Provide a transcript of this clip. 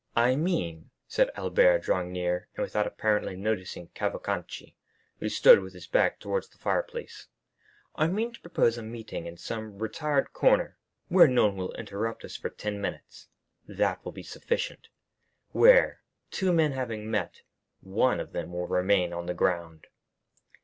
"I mean," said Albert, drawing near, and without apparently noticing Cavalcanti, who stood with his back towards the fireplace—"I mean to propose a meeting in some retired corner where no one will interrupt us for ten minutes; that will be sufficient—where two men having met, one of them will remain on the ground."